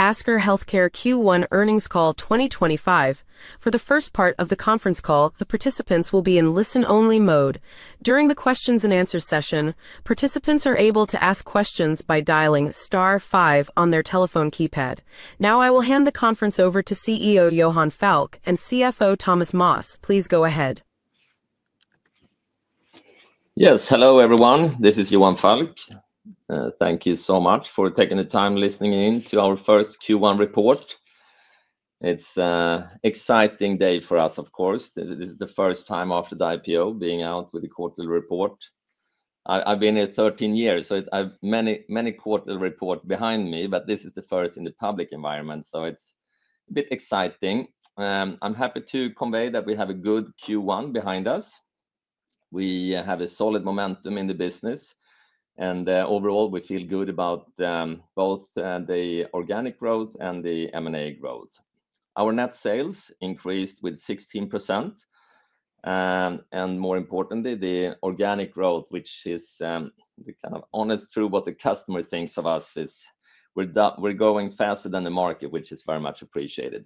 Asker Healthcare Q1 Earnings Call 2025. For the first part of the conference call, the participants will be in listen-only mode. During the Q&A session, participants are able to ask questions by dialing *5 on their telephone keypad. Now I will hand the conference over to CEO Johan Falk and CFO Thomas Moss. Please go ahead. Yes, hello everyone, this is Johan Falk. Thank you so much for taking the time listening in to our first Q1 report. It is an exciting day for us, of course. This is the first time after the IPO being out with a quarterly report. I have been here 13 years, so I have many, many quarterly reports behind me, but this is the first in the public environment, so it is a bit exciting. I am happy to convey that we have a good Q1 behind us. We have a solid momentum in the business, and overall we feel good about both the organic growth and the M&A growth. Our net sales increased with 16%, and more importantly, the organic growth, which is the kind of honest truth of what the customer thinks of us, is we are going faster than the market, which is very much appreciated.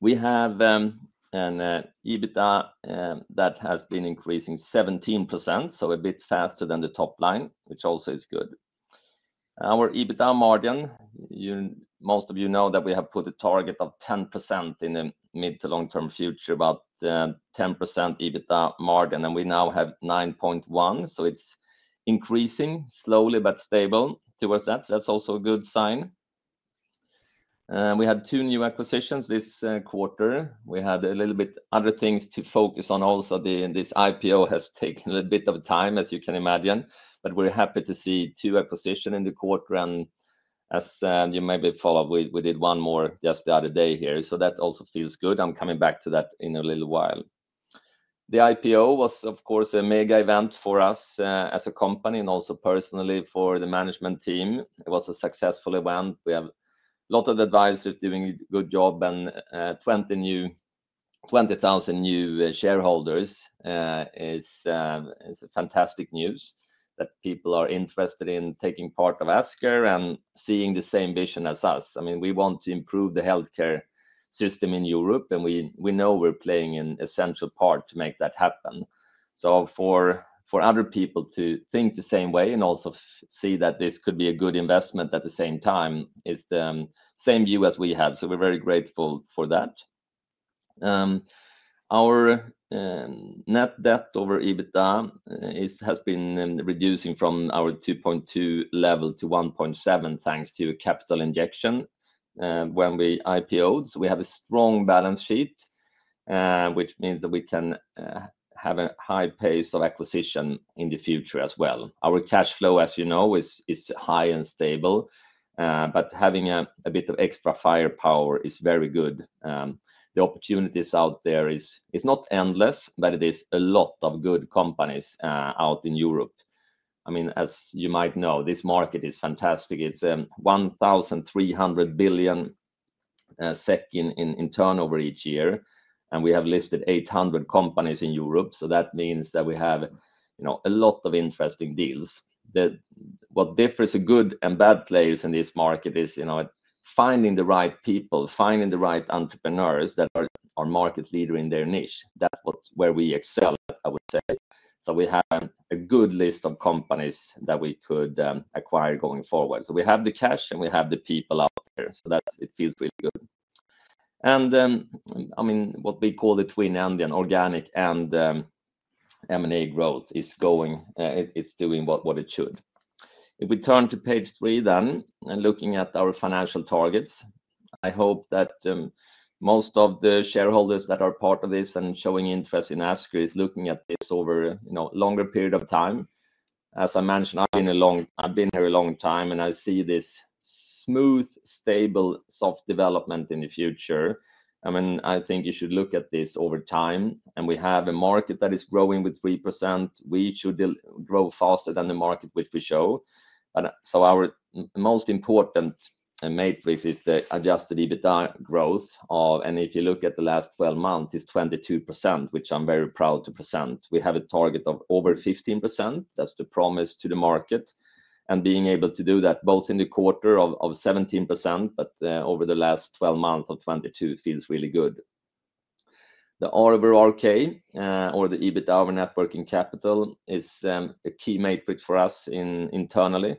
We have an EBITDA that has been increasing 17%, so a bit faster than the top line, which also is good. Our EBITDA margin, most of you know that we have put a target of 10% in the mid to long-term future, about 10% EBITDA margin, and we now have 9.1%, so it's increasing slowly but stable towards that. That's also a good sign. We had two new acquisitions this quarter. We had a little bit of other things to focus on also. This IPO has taken a bit of time, as you can imagine, but we're happy to see two acquisitions in the quarter, and as you maybe follow, we did one more just the other day here, so that also feels good. I'm coming back to that in a little while. The IPO was, of course, a mega event for us as a company and also personally for the management team. It was a successful event. We have a lot of advisors doing a good job, and 20,000 new shareholders is fantastic news that people are interested in taking part of Asker and seeing the same vision as us. I mean, we want to improve the healthcare system in Europe, and we know we're playing an essential part to make that happen. For other people to think the same way and also see that this could be a good investment at the same time is the same view as we have, so we're very grateful for that. Our net debt over EBITDA has been reducing from our 2.2 level to 1.7 thanks to capital injection when we IPOed. We have a strong balance sheet, which means that we can have a high pace of acquisition in the future as well. Our cash flow, as you know, is high and stable, but having a bit of extra firepower is very good. The opportunities out there are not endless, but there are a lot of good companies out in Europe. I mean, as you might know, this market is fantastic. It is 1,300 billion SEK in turnover each year, and we have listed 800 companies in Europe, so that means that we have a lot of interesting deals. What differs in good and bad players in this market is finding the right people, finding the right entrepreneurs that are market leaders in their niche. That is where we excel, I would say. We have a good list of companies that we could acquire going forward. We have the cash, and we have the people out there, so it feels really good. I mean, what we call the twin end, organic and M&A growth, is going; it's doing what it should. If we turn to page three then and look at our financial targets, I hope that most of the shareholders that are part of this and showing interest in Asker are looking at this over a longer period of time. As I mentioned, I've been here a long time, and I see this smooth, stable, soft development in the future. I mean, I think you should look at this over time, and we have a market that is growing with 3%. We should grow faster than the market, which we show. Our most important matrix is the adjusted EBITDA growth, and if you look at the last 12 months, it's 22%, which I'm very proud to present. We have a target of over 15%. That's the promise to the market, and being able to do that both in the quarter of 17%, but over the last 12 months of 22%, feels really good. The R over RK, or the EBITDA over net working capital, is a key matrix for us internally.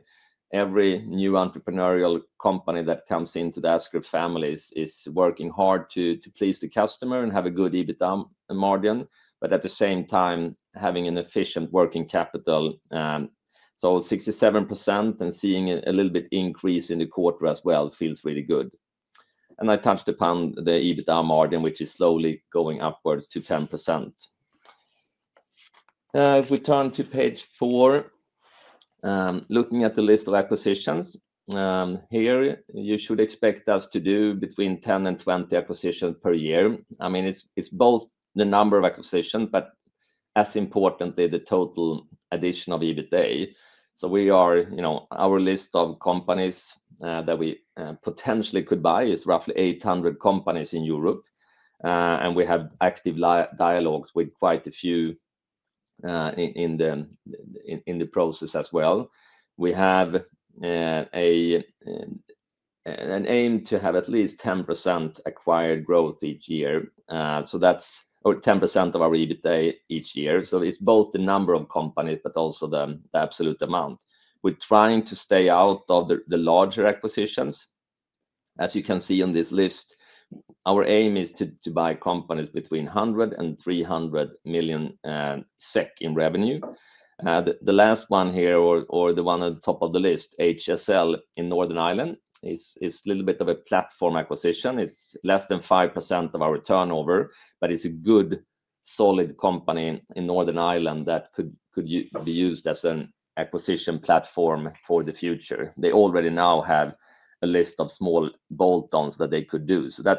Every new entrepreneurial company that comes into the Asker family is working hard to please the customer and have a good EBITDA margin, but at the same time, having an efficient working capital. 67% and seeing a little bit increase in the quarter as well feels really good. I touched upon the EBITDA margin, which is slowly going upwards to 10%. If we turn to page four, looking at the list of acquisitions here, you should expect us to do between 10 and 20 acquisitions per year. I mean, it's both the number of acquisitions, but as importantly, the total addition of EBITDA. Our list of companies that we potentially could buy is roughly 800 companies in Europe, and we have active dialogues with quite a few in the process as well. We have an aim to have at least 10% acquired growth each year, so that's 10% of our EBITDA each year. It's both the number of companies but also the absolute amount. We're trying to stay out of the larger acquisitions. As you can see on this list, our aim is to buy companies between 100 million-300 million SEK in revenue. The last one here, or the one at the top of the list, HSL in Northern Ireland, is a little bit of a platform acquisition. It is less than 5% of our turnover, but it is a good, solid company in Northern Ireland that could be used as an acquisition platform for the future. They already now have a list of small bolt-ons that they could do, so that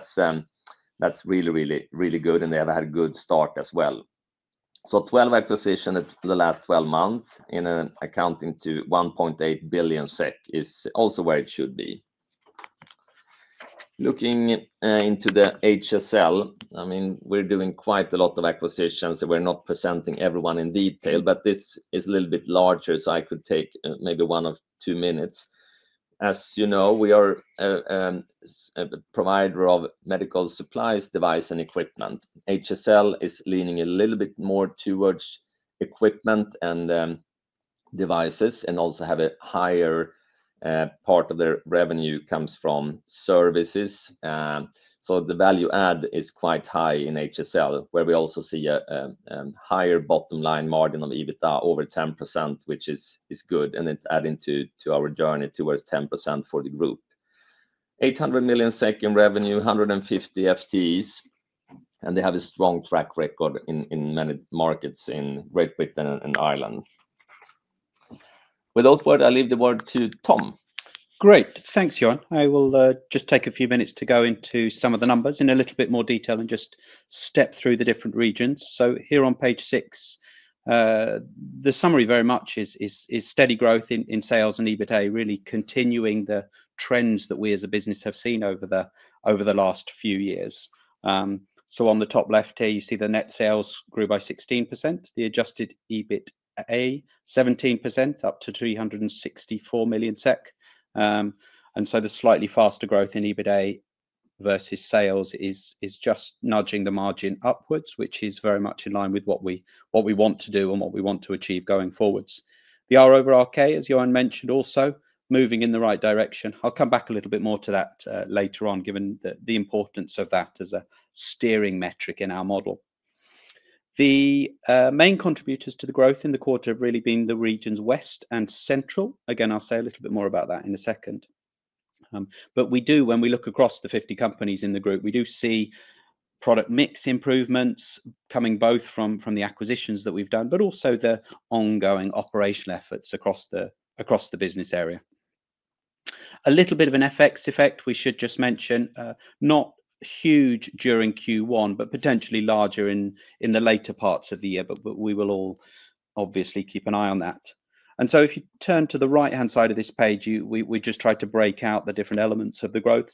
is really, really, really good, and they have had a good start as well. Twelve acquisitions in the last 12 months amounting to 1.8 billion SEK is also where it should be. Looking into the HSL, I mean, we are doing quite a lot of acquisitions, and we are not presenting everyone in detail, but this is a little bit larger, so I could take maybe one or two minutes. As you know, we are a provider of medical supplies, devices, and equipment. HSL is leaning a little bit more towards equipment and devices, and also have a higher part of their revenue comes from services. So the value add is quite high in HSL, where we also see a higher bottom line margin of EBITDA over 10%, which is good, and it's adding to our journey towards 10% for the group. 800 million in revenue, 150 FTEs, and they have a strong track record in many markets in Great Britain and Ireland. With those words, I leave the word to Tom. Great. Thanks, Johan. I will just take a few minutes to go into some of the numbers in a little bit more detail and just step through the different regions. Here on page six, the summary very much is steady growth in sales and EBITDA, really continuing the trends that we as a business have seen over the last few years. On the top left here, you see the net sales grew by 16%, the adjusted EBITDA 17%, up to 364 million SEK. The slightly faster growth in EBITDA versus sales is just nudging the margin upwards, which is very much in line with what we want to do and what we want to achieve going forwards. The R over RK, as Johan mentioned, also moving in the right direction. I'll come back a little bit more to that later on, given the importance of that as a steering metric in our model. The main contributors to the growth in the quarter have really been the regions west and central. Again, I'll say a little bit more about that in a second. When we look across the 50 companies in the group, we do see product mix improvements coming both from the acquisitions that we've done, but also the ongoing operational efforts across the business area. A little bit of an FX effect we should just mention, not huge during Q1, but potentially larger in the later parts of the year. We will all obviously keep an eye on that. If you turn to the right-hand side of this page, we just tried to break out the different elements of the growth.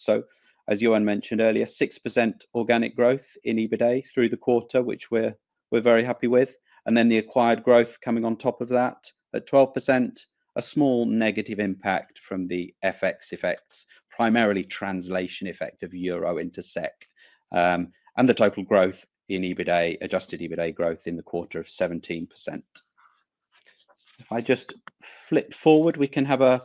As Johan mentioned earlier, 6% organic growth in EBITDA through the quarter, which we're very happy with, and then the acquired growth coming on top of that at 12%, a small negative impact from the FX effects, primarily translation effect of euro into SEK, and the total growth in EBITDA, adjusted EBITDA growth in the quarter of 17%. If I just flip forward, we can have a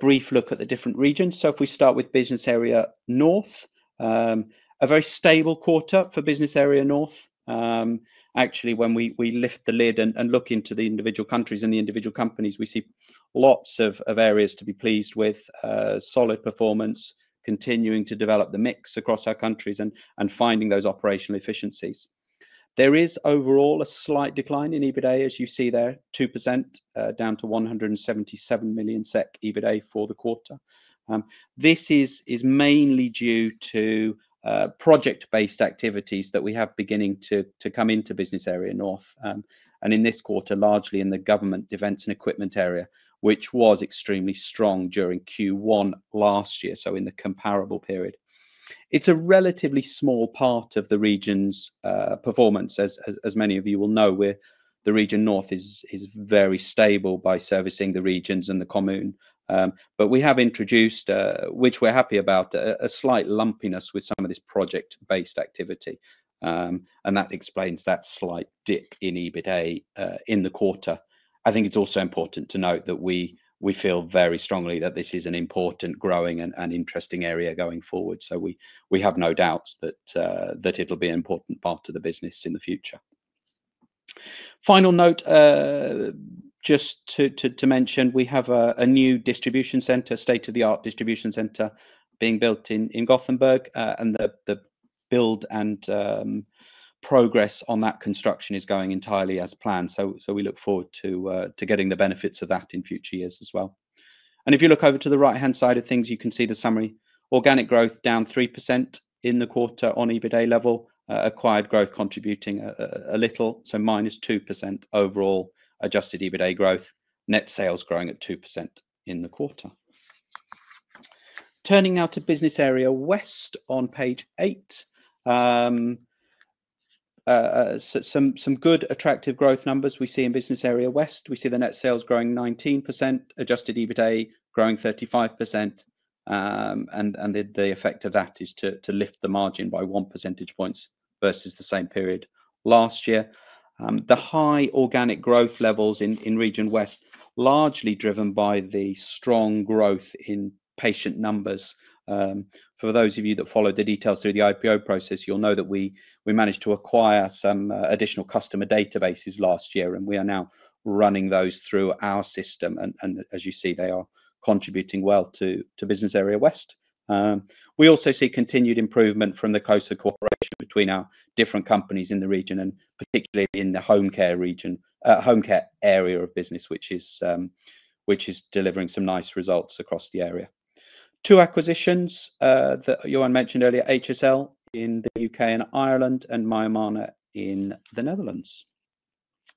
brief look at the different regions. If we start with business area north, a very stable quarter for business area north. Actually, when we lift the lid and look into the individual countries and the individual companies, we see lots of areas to be pleased with, solid performance, continuing to develop the mix across our countries and finding those operational efficiencies. There is overall a slight decline in EBITDA, as you see there, 2% down to 177 million SEK EBITDA for the quarter. This is mainly due to project-based activities that we have beginning to come into business area north, and in this quarter, largely in the government events and equipment area, which was extremely strong during Q1 last year, so in the comparable period. It is a relatively small part of the region's performance, as many of you will know. The region north is very stable by servicing the regions and the commune, but we have introduced, which we are happy about, a slight lumpiness with some of this project-based activity, and that explains that slight dip in EBITDA in the quarter. I think it's also important to note that we feel very strongly that this is an important, growing, and interesting area going forward, so we have no doubts that it'll be an important part of the business in the future. Final note, just to mention, we have a new distribution center, state-of-the-art distribution center, being built in Gothenburg, and the build and progress on that construction is going entirely as planned. We look forward to getting the benefits of that in future years as well. If you look over to the right-hand side of things, you can see the summary. Organic growth down 3% in the quarter on EBITDA level, acquired growth contributing a little, so minus 2% overall adjusted EBITDA growth, net sales growing at 2% in the quarter. Turning now to business area west on page eight, some good attractive growth numbers we see in business area west. We see the net sales growing 19%, adjusted EBITDA growing 35%, and the effect of that is to lift the margin by 1 percentage point versus the same period last year. The high organic growth levels in region west are largely driven by the strong growth in patient numbers. For those of you that followed the details through the IPO process, you'll know that we managed to acquire some additional customer databases last year, and we are now running those through our system, and as you see, they are contributing well to business area west. We also see continued improvement from the closer cooperation between our different companies in the region, and particularly in the home care area of business, which is delivering some nice results across the area. Two acquisitions that Johan mentioned earlier, HSL in the U.K. and Ireland, and Myomana in the Netherlands.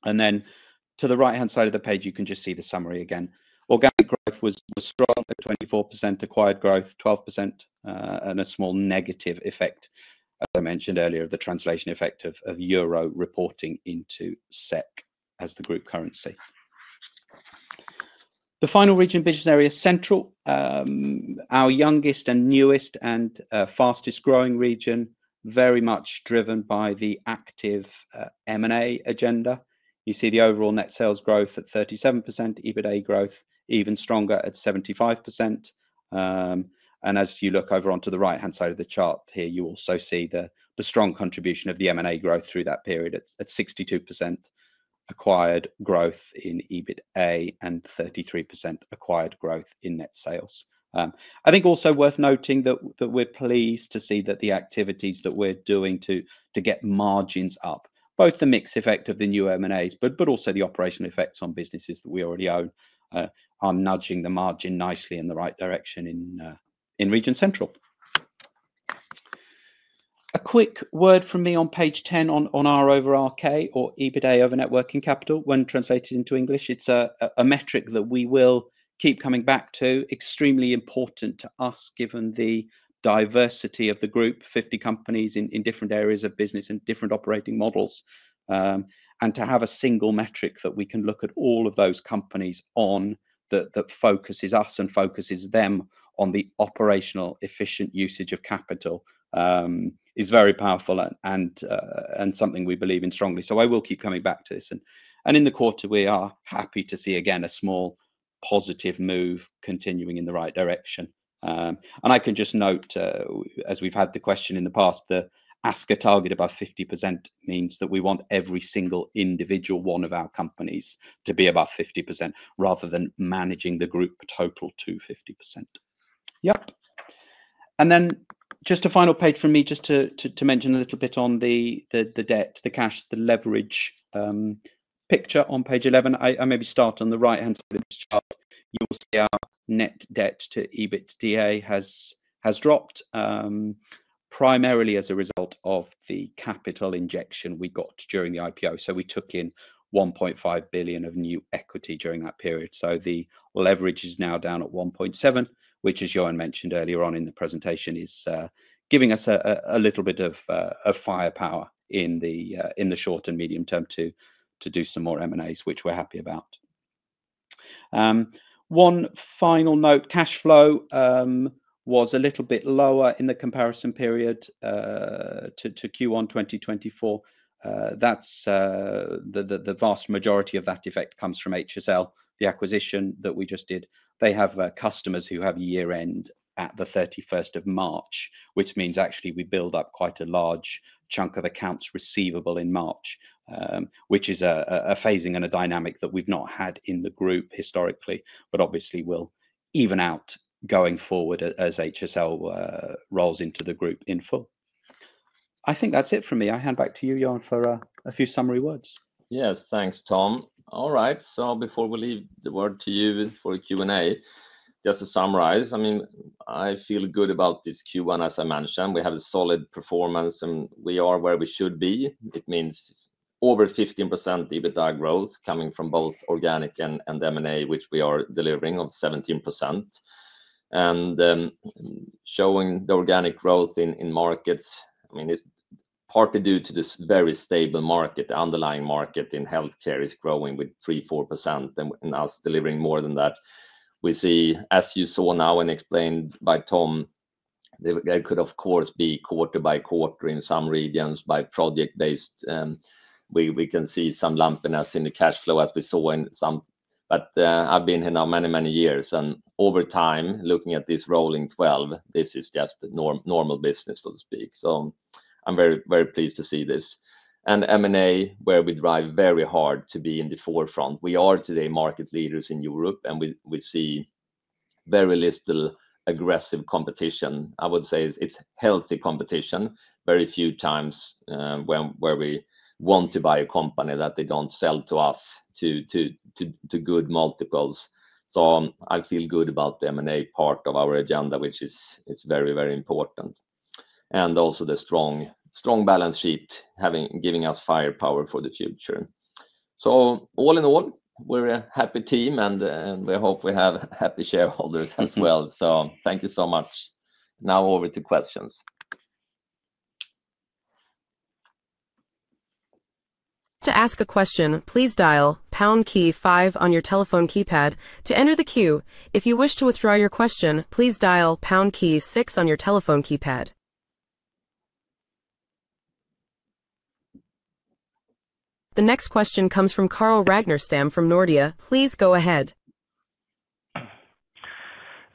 To the right-hand side of the page, you can just see the summary again. Organic growth was strong, 24% acquired growth, 12%, and a small negative effect, as I mentioned earlier, the translation effect of euro reporting into SEK as the group currency. The final region, business area central, our youngest and newest and fastest growing region, very much driven by the active M&A agenda. You see the overall net sales growth at 37%, EBITDA growth even stronger at 75%, and as you look over onto the right-hand side of the chart here, you also see the strong contribution of the M&A growth through that period at 62% acquired growth in EBITDA and 33% acquired growth in net sales. I think also worth noting that we're pleased to see that the activities that we're doing to get margins up, both the mix effect of the new M&As, but also the operational effects on businesses that we already own, are nudging the margin nicely in the right direction in region central. A quick word from me on page 10 on R over RK, or EBITDA over net working capital, when translated into English, it's a metric that we will keep coming back to, extremely important to us given the diversity of the group, 50 companies in different areas of business and different operating models, and to have a single metric that we can look at all of those companies on that focuses us and focuses them on the operational efficient usage of capital is very powerful and something we believe in strongly. I will keep coming back to this, and in the quarter, we are happy to see again a small positive move continuing in the right direction. I can just note, as we've had the question in the past, the Asker target about 50% means that we want every single individual one of our companies to be about 50% rather than managing the group total to 50%. Yep. Just a final page from me, just to mention a little bit on the debt, the cash, the leverage picture on page 11. I maybe start on the right-hand side of this chart. You will see our net debt to EBITDA has dropped primarily as a result of the capital injection we got during the IPO. We took in 1.5 billion of new equity during that period. The leverage is now down at 1.7, which, as Johan mentioned earlier on in the presentation, is giving us a little bit of firepower in the short and medium term to do some more M&As, which we're happy about. One final note, cash flow was a little bit lower in the comparison period to Q1 2024. The vast majority of that effect comes from HSL, the acquisition that we just did. They have customers who have year-end at the 31st of March, which means actually we build up quite a large chunk of accounts receivable in March, which is a phasing and a dynamic that we've not had in the group historically, but obviously will even out going forward as HSL rolls into the group in full. I think that's it from me. I hand back to you, Johan, for a few summary words. Yes, thanks, Tom. All right, so before we leave the word to you for Q&A, just to summarize, I mean, I feel good about this Q1, as I mentioned. We have a solid performance, and we are where we should be. It means over 15% EBITDA growth coming from both organic and M&A, which we are delivering of 17%. And showing the organic growth in markets, I mean, it's partly due to this very stable market. The underlying market in healthcare is growing with 3-4%, and us delivering more than that. We see, as you saw now and explained by Tom, it could, of course, be quarter by quarter in some regions by project-based. We can see some lumpiness in the cash flow as we saw in some. I've been here now many, many years, and over time, looking at this rolling 12, this is just normal business, so to speak. I'm very, very pleased to see this. M&A, where we drive very hard to be in the forefront. We are today market leaders in Europe, and we see very little aggressive competition. I would say it's healthy competition, very few times where we want to buy a company that they do not sell to us to good multiples. I feel good about the M&A part of our agenda, which is very, very important. Also the strong balance sheet giving us firepower for the future. All in all, we're a happy team, and we hope we have happy shareholders as well. Thank you so much. Now over to questions. To ask a question, please dial pound key five on your telephone keypad to enter the queue. If you wish to withdraw your question, please dial pound key six on your telephone keypad. The next question comes from Carl Ragnar Stam from Nordea. Please go ahead.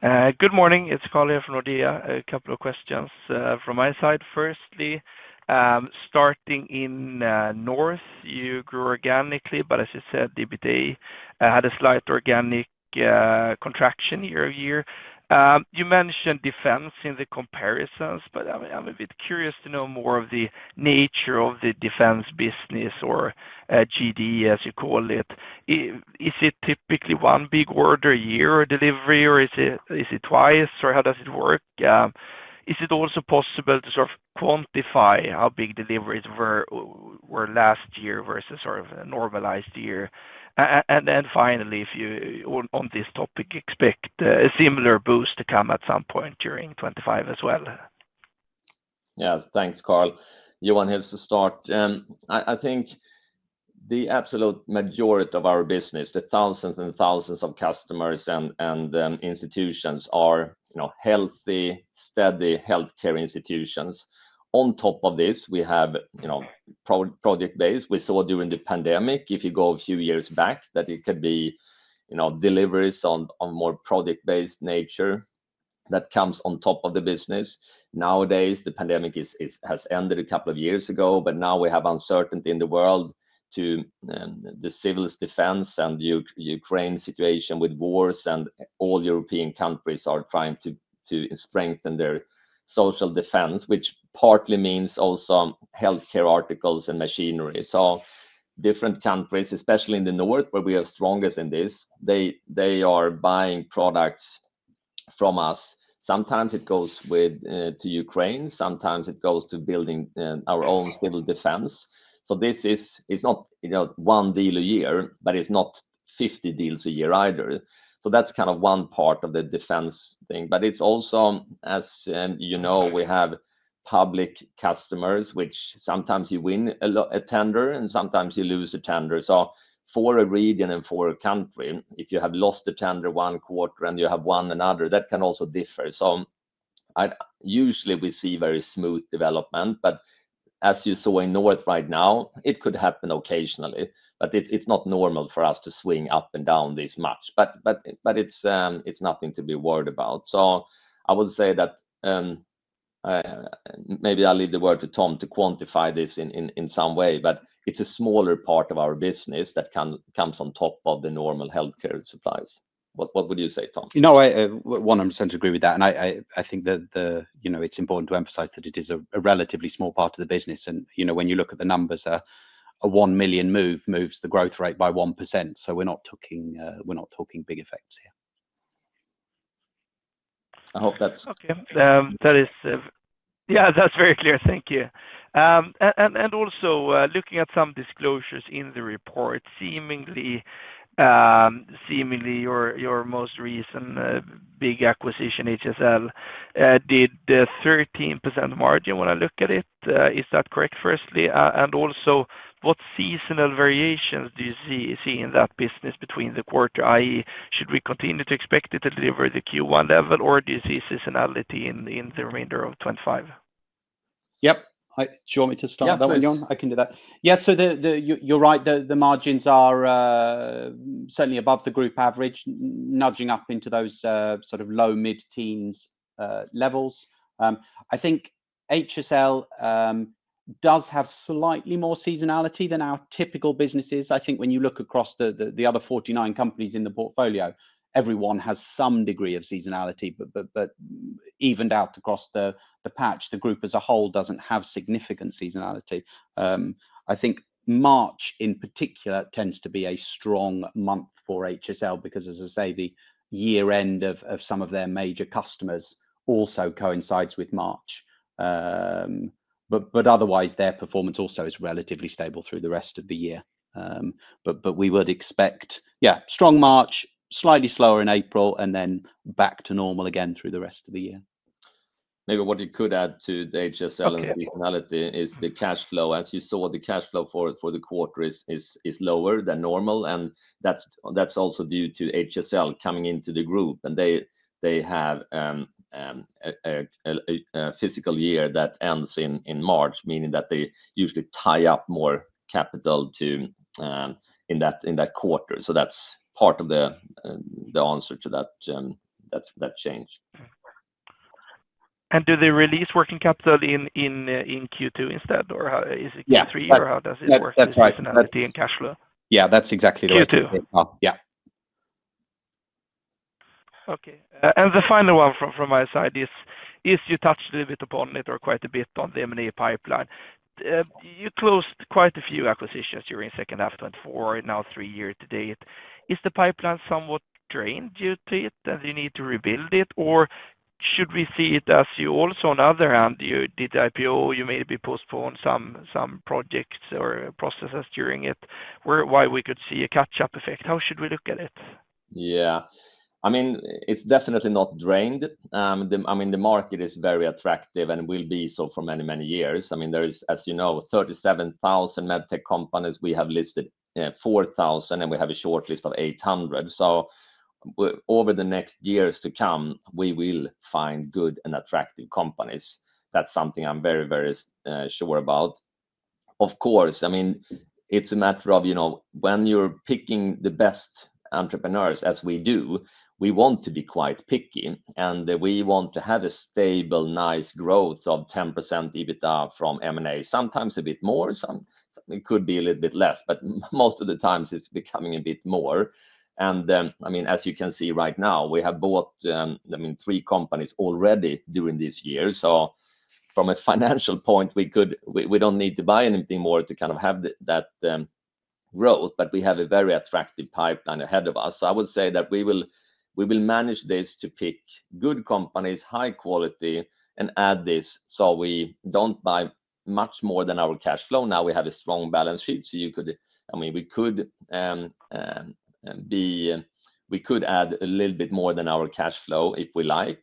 Good morning. It's Carl here from Nordea. A couple of questions from my side. Firstly, starting in north, you grew organically, but as you said, EBITDA had a slight organic contraction year over year. You mentioned defense in the comparisons, but I'm a bit curious to know more of the nature of the defense business or GDE, as you call it. Is it typically one big order a year or delivery, or is it twice, or how does it work? Is it also possible to sort of quantify how big deliveries were last year versus sort of a normalized year? And then finally, if you on this topic expect a similar boost to come at some point during 2025 as well. Yes, thanks, Carl. Johan here to start. I think the absolute majority of our business, the thousands and thousands of customers and institutions, are healthy, steady healthcare institutions. On top of this, we have project-based. We saw during the pandemic, if you go a few years back, that it could be deliveries on more project-based nature that comes on top of the business. Nowadays, the pandemic has ended a couple of years ago, but now we have uncertainty in the world due to the civil defense and Ukraine situation with wars, and all European countries are trying to strengthen their social defense, which partly means also healthcare articles and machinery. Different countries, especially in the north where we are strongest in this, are buying products from us. Sometimes it goes to Ukraine. Sometimes it goes to building our own civil defense. This is not one deal a year, but it's not 50 deals a year either. That's kind of one part of the defense thing. It's also, as you know, we have public customers, which sometimes you win a tender and sometimes you lose a tender. For a region and for a country, if you have lost a tender one quarter and you have won another, that can also differ. Usually we see very smooth development, but as you saw in north right now, it could happen occasionally, but it's not normal for us to swing up and down this much. It's nothing to be worried about. I would say that maybe I'll leave the word to Tom to quantify this in some way, but it's a smaller part of our business that comes on top of the normal healthcare supplies. What would you say, Tom? No, I 100% agree with that. I think that it's important to emphasize that it is a relatively small part of the business. When you look at the numbers, a $1 million move moves the growth rate by 1%. We're not talking big effects here. I hope that's. Okay. That is, yeah, that's very clear. Thank you. Also, looking at some disclosures in the report, seemingly your most recent big acquisition, HSL, did 13% margin when I look at it. Is that correct, firstly? Also, what seasonal variations do you see in that business between the quarter, i.e., should we continue to expect it to deliver the Q1 level, or do you see seasonality in the remainder of 2025? Yep. Do you want me to start that one, Johan? I can do that. Yes, so you're right. The margins are certainly above the group average, nudging up into those sort of low mid-teens levels. I think HSL does have slightly more seasonality than our typical businesses. I think when you look across the other 49 companies in the portfolio, everyone has some degree of seasonality, but evened out across the patch, the group as a whole does not have significant seasonality. I think March in particular tends to be a strong month for HSL because, as I say, the year-end of some of their major customers also coincides with March. Otherwise, their performance also is relatively stable through the rest of the year. We would expect, yeah, strong March, slightly slower in April, and then back to normal again through the rest of the year. Maybe what you could add to the HSL and seasonality is the cash flow. As you saw, the cash flow for the quarter is lower than normal, and that's also due to HSL coming into the group. They have a fiscal year that ends in March, meaning that they usually tie up more capital in that quarter. That's part of the answer to that change. Do they release working capital in Q2 instead, or is it Q3, or how does it work? Yes, that's right. With seasonality and cash flow? Yeah, that's exactly right. Q2. Yeah. Okay. The final one from my side is, you touched a little bit upon it or quite a bit. The M&A pipeline. You closed quite a few acquisitions during the second half of 2024, now three years to date. Is the pipeline somewhat drained due to it, and do you need to rebuild it, or should we see it as you also, on the other hand, you did the IPO, you maybe postponed some projects or processes during it, where we could see a catch-up effect? How should we look at it? Yeah. I mean, it's definitely not drained. I mean, the market is very attractive and will be so for many, many years. I mean, there is, as you know, 37,000 medtech companies. We have listed 4,000, and we have a shortlist of 800. Over the next years to come, we will find good and attractive companies. That's something I'm very, very sure about. Of course, I mean, it's a matter of when you're picking the best entrepreneurs, as we do, we want to be quite picky, and we want to have a stable, nice growth of 10% EBITDA from M&A. Sometimes a bit more. It could be a little bit less, but most of the time, it's becoming a bit more. I mean, as you can see right now, we have bought three companies already during this year. From a financial point, we do not need to buy anything more to kind of have that growth, but we have a very attractive pipeline ahead of us. I would say that we will manage this to pick good companies, high quality, and add this so we do not buy much more than our cash flow. Now we have a strong balance sheet, so you could, I mean, we could add a little bit more than our cash flow if we like,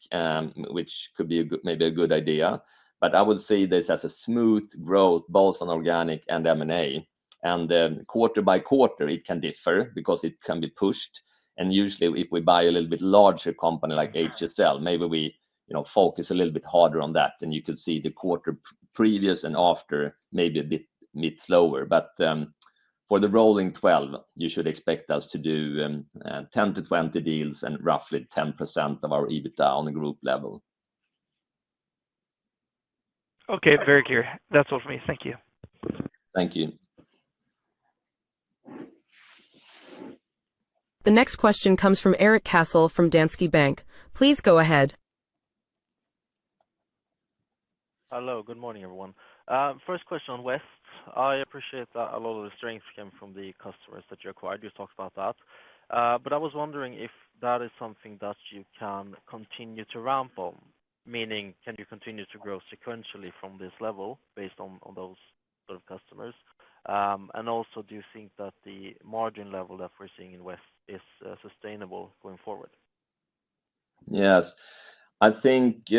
which could be maybe a good idea. I would see this as a smooth growth, both on organic and M&A. Quarter by quarter, it can differ because it can be pushed. Usually, if we buy a little bit larger company like HSL, maybe we focus a little bit harder on that, and you could see the quarter previous and after maybe a bit slower. For the rolling 12, you should expect us to do 10-20 deals and roughly 10% of our EBITDA on a group level. Okay, very clear. That's all for me. Thank you. Thank you. The next question comes from Eric Castle from Danske Bank. Please go ahead. Hello, good morning, everyone. First question on West. I appreciate that a lot of the strength came from the customers that you acquired. You talked about that. I was wondering if that is something that you can continue to ramp on, meaning can you continue to grow sequentially from this level based on those sort of customers? Also, do you think that the margin level that we're seeing in West is sustainable going forward? Yes. I think,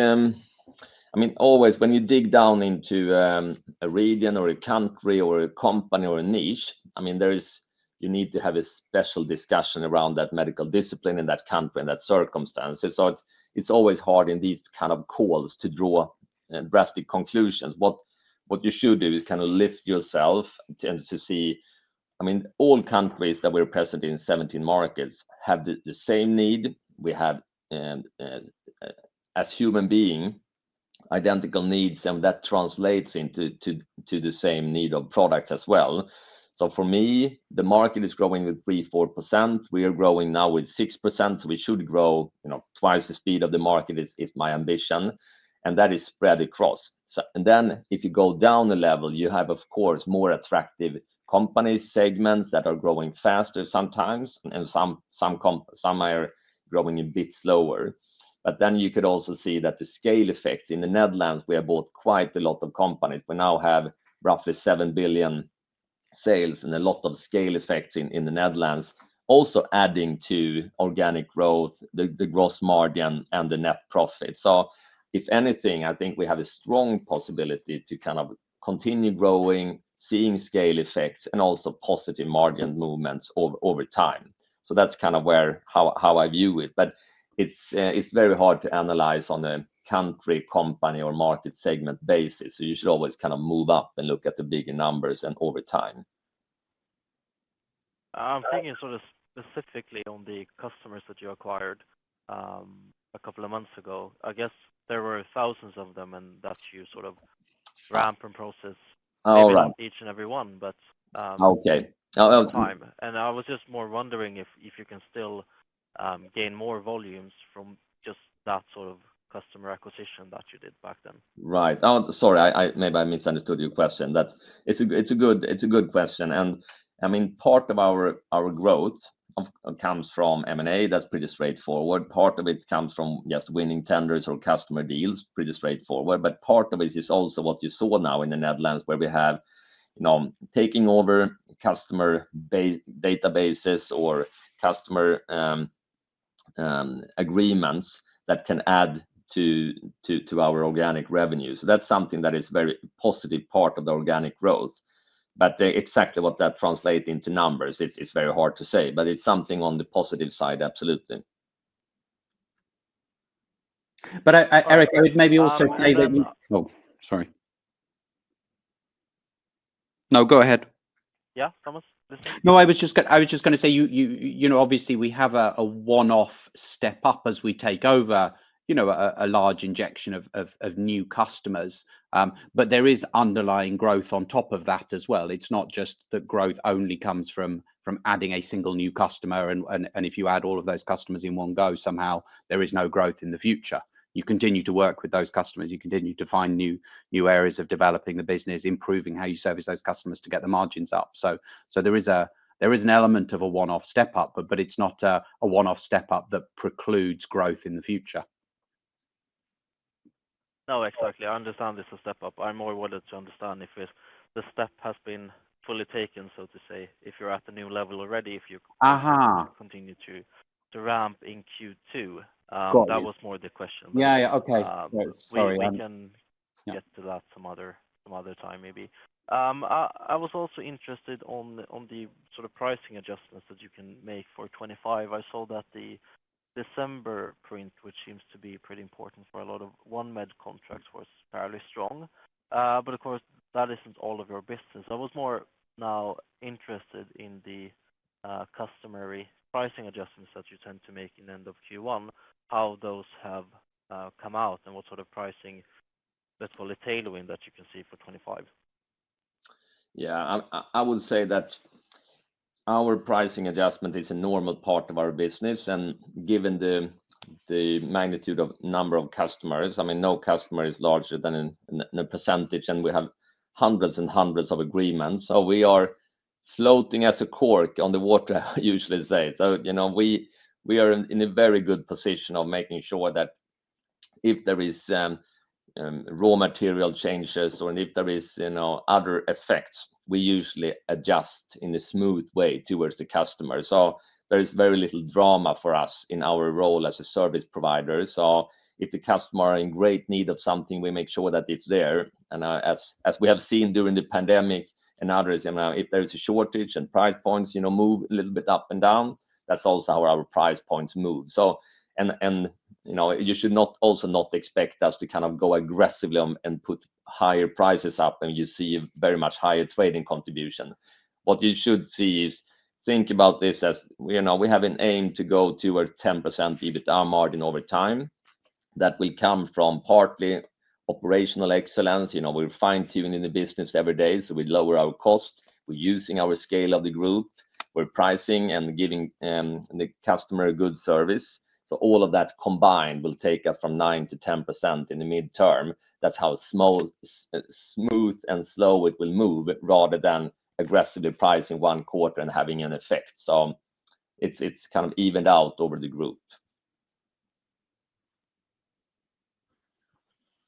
I mean, always when you dig down into a region or a country or a company or a niche, I mean, you need to have a special discussion around that medical discipline in that country and that circumstance. It is always hard in these kind of calls to draw drastic conclusions. What you should do is kind of lift yourself to see, I mean, all countries that we are present in, 17 markets, have the same need. We have, as human beings, identical needs, and that translates into the same need of products as well. For me, the market is growing with 3-4%. We are growing now with 6%, so we should grow twice the speed of the market is my ambition. That is spread across. If you go down the level, you have, of course, more attractive companies, segments that are growing faster sometimes, and some are growing a bit slower. You could also see that the scale effects in the Netherlands, we have bought quite a lot of companies. We now have roughly 7 billion sales and a lot of scale effects in the Netherlands, also adding to organic growth, the gross margin, and the net profit. If anything, I think we have a strong possibility to kind of continue growing, seeing scale effects, and also positive margin movements over time. That is kind of how I view it. It is very hard to analyze on a country, company, or market segment basis. You should always kind of move up and look at the bigger numbers and over time. I'm thinking sort of specifically on the customers that you acquired a couple of months ago. I guess there were thousands of them, and that's you sort of ramp and process each and every one, but over time. I was just more wondering if you can still gain more volumes from just that sort of customer acquisition that you did back then. Right. Sorry, maybe I misunderstood your question. It's a good question. I mean, part of our growth comes from M&A. That's pretty straightforward. Part of it comes from, yes, winning tenders or customer deals, pretty straightforward. Part of it is also what you saw now in the Netherlands where we have taking over customer databases or customer agreements that can add to our organic revenue. That is something that is a very positive part of the organic growth. Exactly what that translates into numbers, it's very hard to say. It is something on the positive side, absolutely. Eric, I would maybe also say that. Oh, sorry. No, go ahead. Yeah, Thomas. No, I was just going to say, obviously, we have a one-off step up as we take over a large injection of new customers. There is underlying growth on top of that as well. It's not just that growth only comes from adding a single new customer. If you add all of those customers in one go, somehow there is no growth in the future. You continue to work with those customers. You continue to find new areas of developing the business, improving how you service those customers to get the margins up. There is an element of a one-off step up, but it's not a one-off step up that precludes growth in the future. No, exactly. I understand it's a step up. I'm more willing to understand if the step has been fully taken, so to say, if you're at the new level already, if you continue to ramp in Q2. That was more the question. Yeah, yeah, okay. Sorry, we can get to that some other time maybe. I was also interested in the sort of pricing adjustments that you can make for 2025. I saw that the December print, which seems to be pretty important for a lot of one-med contracts, was fairly strong. Of course, that isn't all of your business. I was more now interested in the customary pricing adjustments that you tend to make in the end of Q1, how those have come out, and what sort of pricing, let's call it, tailoring that you can see for 2025. Yeah. I would say that our pricing adjustment is a normal part of our business. Given the magnitude of number of customers, I mean, no customer is larger than a percentage, and we have hundreds and hundreds of agreements. We are floating as a cork on the water, I usually say. We are in a very good position of making sure that if there are raw material changes or if there are other effects, we usually adjust in a smooth way towards the customer. There is very little drama for us in our role as a service provider. If the customer is in great need of something, we make sure that it's there. As we have seen during the pandemic and others, if there is a shortage and price points move a little bit up and down, that's also how our price points move. You should also not expect us to kind of go aggressively and put higher prices up when you see very much higher trading contribution. What you should see is think about this as we have an aim to go toward 10% EBITDA margin over time. That will come from partly operational excellence. We are fine-tuning the business every day, so we lower our cost. We are using our scale of the group. We are pricing and giving the customer a good service. All of that combined will take us from 9% to 10% in the midterm. That is how smooth and slow it will move rather than aggressively pricing one quarter and having an effect. It is kind of evened out over the group.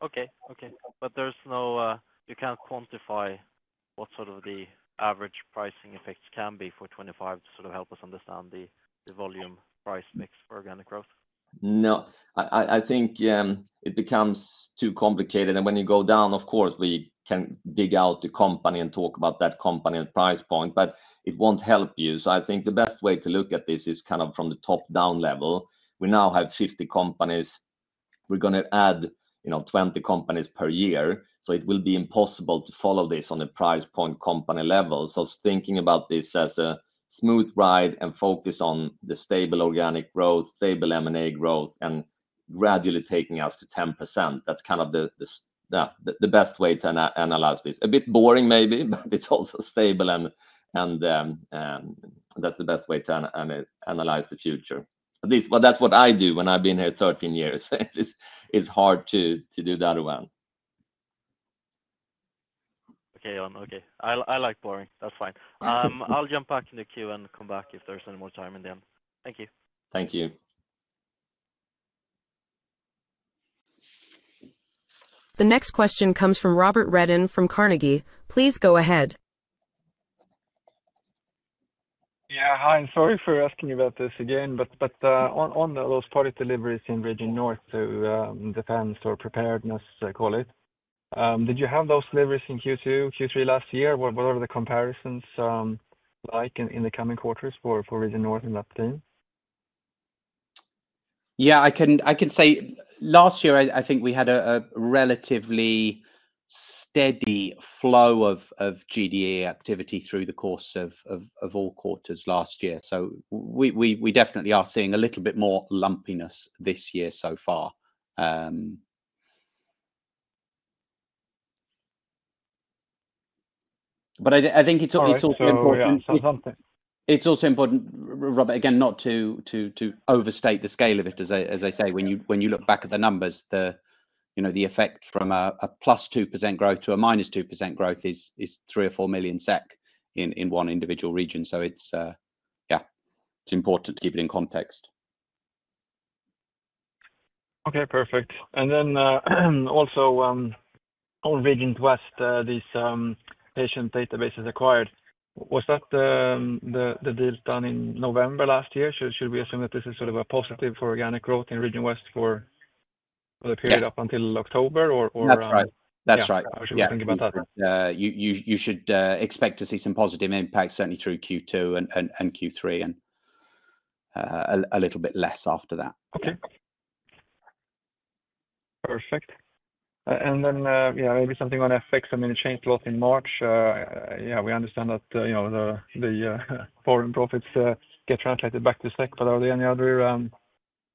Okay, okay. You can't quantify what sort of the average pricing effects can be for '25 to sort of help us understand the volume price mix for organic growth? No. I think it becomes too complicated. When you go down, of course, we can dig out the company and talk about that company and price point, but it will not help you. I think the best way to look at this is kind of from the top-down level. We now have 50 companies. We are going to add 20 companies per year. It will be impossible to follow this on a price point company level. Thinking about this as a smooth ride and focus on the stable organic growth, stable M&A growth, and gradually taking us to 10%. That is kind of the best way to analyze this. A bit boring maybe, but it is also stable, and that is the best way to analyze the future. At least that is what I do when I have been here 13 years. It is hard to do that well. Okay, okay. I like boring. That's fine. I'll jump back in the Q and come back if there's any more time in the end. Thank you. Thank you. The next question comes from Robert Redden from Carnegie. Please go ahead. Yeah, hi. I'm sorry for asking you about this again, but on those product deliveries in Region North to defense or preparedness, I call it, did you have those deliveries in Q2, Q3 last year? What are the comparisons like in the coming quarters for Region North and that team? Yeah, I can say last year, I think we had a relatively steady flow of GDE activity through the course of all quarters last year. We definitely are seeing a little bit more lumpiness this year so far. I think it's also important. It's also important, Robert, again, not to overstate the scale of it. As I say, when you look back at the numbers, the effect from a +2% growth to a -2% growth is 3 million-4 million SEK in one individual region. Yeah, it's important to keep it in context. Okay, perfect. Also, on Region West, this patient database is acquired. Was that the deal done in November last year? Should we assume that this is sort of a positive for organic growth in Region West for the period up until October? That's right. That's right. Should we think about that? You should expect to see some positive impacts, certainly through Q2 and Q3, and a little bit less after that. Okay. Perfect. Yeah, maybe something on FX. I mean, it changed a lot in March. Yeah, we understand that the foreign profits get translated back to SEK, but are there any other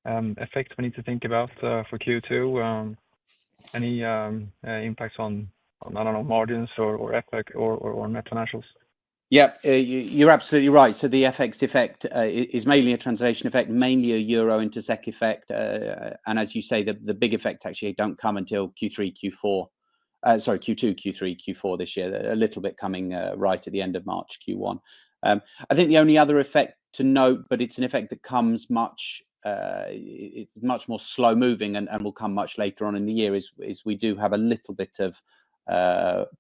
effects we need to think about for Q2? Any impacts on, I don't know, margins or FX or net financials? Yeah, you're absolutely right. The FX effect is mainly a translation effect, mainly a euro into SEK effect. As you say, the big effects actually do not come until Q2, Q3, Q4 this year, a little bit coming right at the end of March, Q1. I think the only other effect to note, but it is an effect that comes much more slow-moving and will come much later on in the year, is we do have a little bit of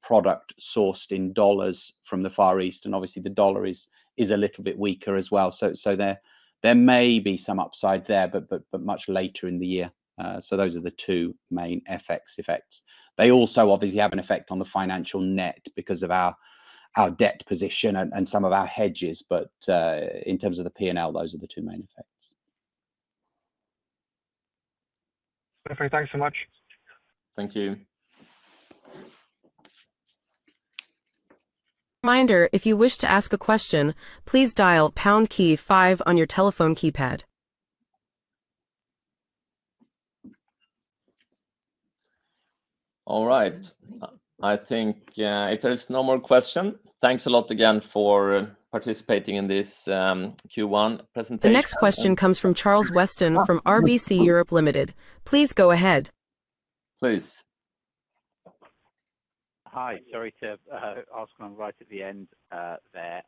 product sourced in dollars from the Far East. Obviously, the dollar is a little bit weaker as well. There may be some upside there, but much later in the year. Those are the two main FX effects. They also obviously have an effect on the financial net because of our debt position and some of our hedges. In terms of the P&L, those are the two main effects. Perfect. Thanks so much. Thank you. Reminder, if you wish to ask a question, please dial #5 on your telephone keypad. All right. I think if there's no more questions, thanks a lot again for participating in this Q1 presentation. The next question comes from Charles Weston from RBC Europe Limited. Please go ahead. Please. Hi. Sorry to ask right at the end there.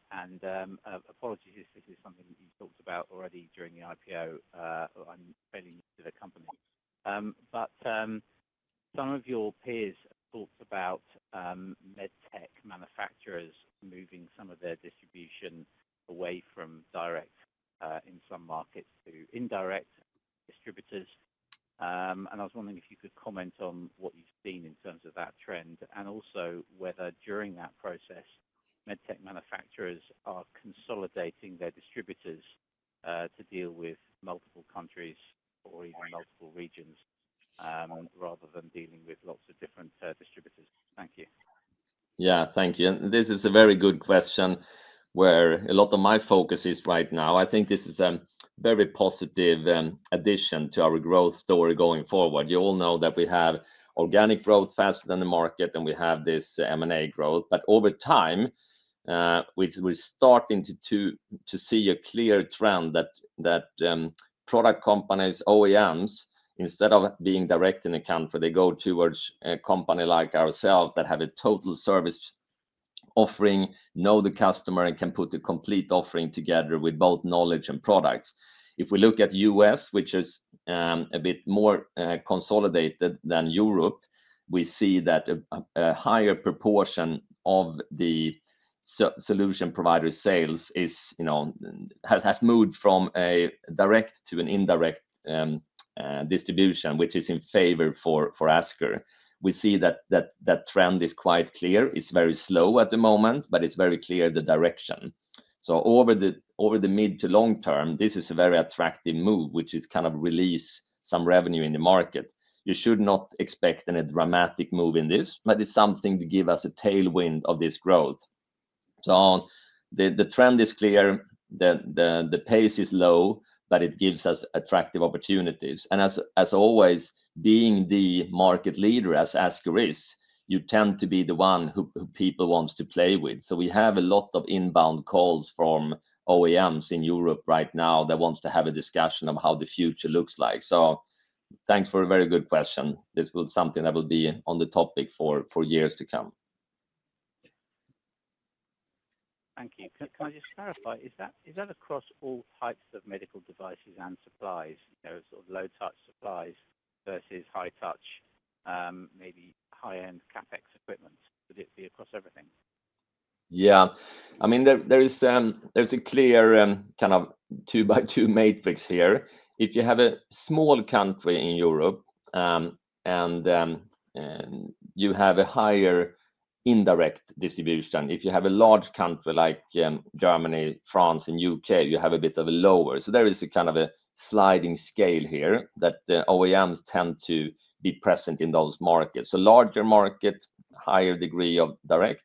Apologies, this is something that you talked about already during the IPO. I'm fairly new to the company. Some of your peers talked about med instead of being direct in the country, go towards a company like ourselves that have a total service offering, know the customer, and can put a complete offering together with both knowledge and products. If we look at the US, which is a bit more consolidated than Europe, we see that a higher proportion of the solution provider sales has moved from a direct to an indirect distribution, which is in favor for Asker. We see that that trend is quite clear. It's very slow at the moment, but it's very clear the direction. Over the mid to long term, this is a very attractive move, which is kind of release some revenue in the market. You should not expect a dramatic move in this, but it's something to give us a tailwind of this growth. The trend is clear. The pace is low, but it gives us attractive opportunities. As always, being the market leader as Asker is, you tend to be the one who people want to play with. We have a lot of inbound calls from OEMs in Europe right now that want to have a discussion of how the future looks like. Thanks for a very good question. This will be something that will be on the topic for years to come. Thank you. Can I just clarify? Is that across all types of medical devices and supplies, sort of low-touch supplies versus high-touch, maybe high-end CapEx equipment? Would it be across everything? Yeah. I mean, there's a clear kind of two-by-two matrix here. If you have a small country in Europe and you have a higher indirect distribution, if you have a large country like Germany, France, and U.K., you have a bit of a lower. There is kind of a sliding scale here that OEMs tend to be present in those markets. Larger market, higher degree of direct,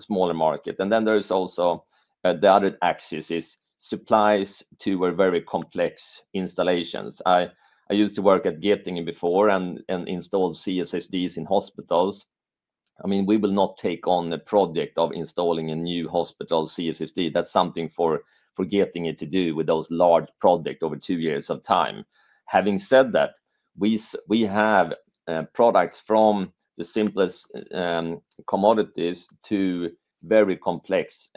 smaller market. The other axis is supplies to very complex installations. I used to work at Getinge before and installed CSSDs in hospitals. I mean, we will not take on a project of installing a new hospital CSSD. That's something for Getinge to do with those large projects over two years of time. Having said that, we have products from the simplest commodities to very complex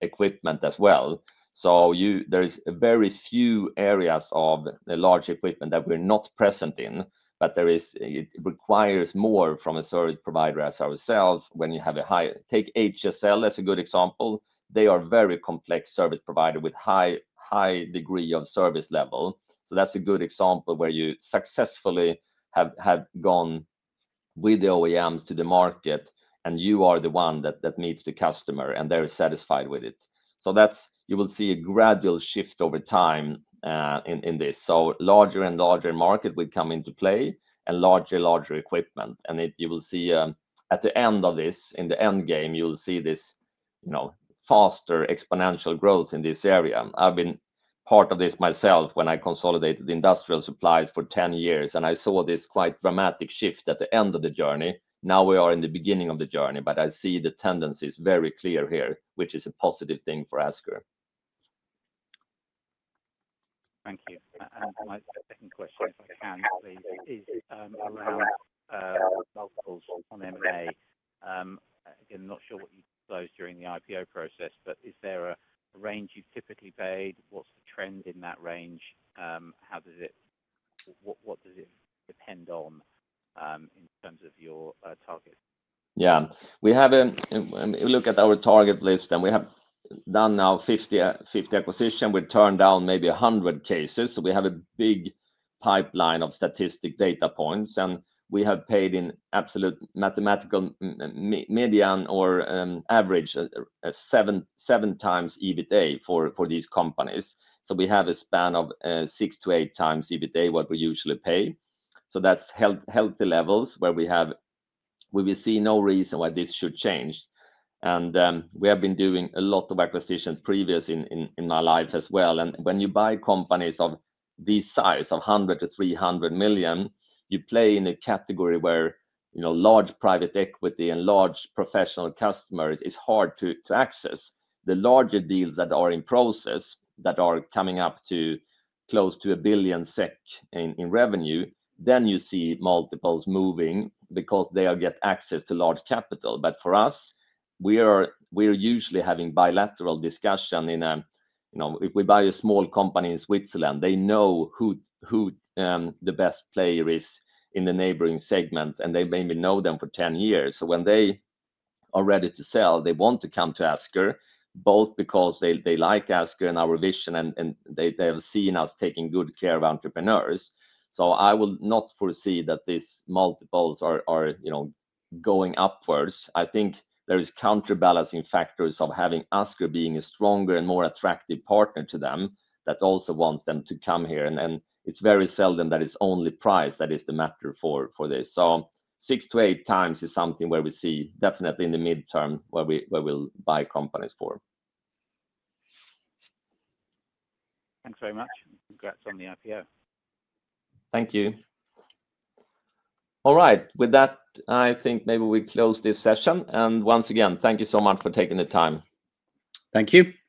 equipment as well. There are very few areas of large equipment that we're not present in, but it requires more from a service provider as ourselves when you have a high take HSL as a good example. They are a very complex service provider with a high degree of service level. That's a good example where you successfully have gone with the OEMs to the market, and you are the one that meets the customer, and they're satisfied with it. You will see a gradual shift over time in this. Larger and larger market will come into play and larger and larger equipment. You will see at the end of this, in the end game, you will see this faster exponential growth in this area. I've been part of this myself when I consolidated industrial supplies for 10 years, and I saw this quite dramatic shift at the end of the journey. Now we are in the beginning of the journey, but I see the tendency is very clear here, which is a positive thing for Asker. Thank you. My second question, if I can, please, is around multiples on M&A. Again, not sure what you disclosed during the IPO process, but is there a range you've typically paid? What's the trend in that range? What does it depend on in terms of your target? Yeah. We have a look at our target list, and we have done now 50 acquisitions. We've turned down maybe 100 cases. So we have a big pipeline of statistic data points, and we have paid in absolute mathematical median or average seven times EBITDA for these companies. We have a span of six to eight times EBITDA, what we usually pay. That's healthy levels where we have we will see no reason why this should change. We have been doing a lot of acquisitions previously in my life as well. When you buy companies of this size, of $100 million to $300 million, you play in a category where large private equity and large professional customers is hard to access. The larger deals that are in process that are coming up to close to 1 billion SEK in revenue, then you see multiples moving because they get access to large capital. For us, we are usually having bilateral discussions. If we buy a small company in Switzerland, they know who the best player is in the neighboring segment, and they maybe know them for 10 years. When they are ready to sell, they want to come to Asker, both because they like Asker and our vision, and they have seen us taking good care of entrepreneurs. I will not foresee that these multiples are going upwards. I think there are counterbalancing factors of having Asker being a stronger and more attractive partner to them that also wants them to come here. It is very seldom that it is only price that is the matter for this. Six to eight times is something where we see definitely in the midterm where we'll buy companies for. Thanks very much. Congrats on the IPO. Thank you. All right. With that, I think maybe we close this session. Once again, thank you so much for taking the time. Thank you.